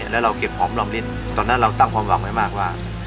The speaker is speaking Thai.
แล้วเราเก็บหอมรอมลิ้นตอนนั้นเราตั้งความหวังไว้มากว่า